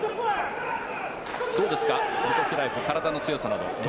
どうですか、ルトフィラエフ体の強さなど。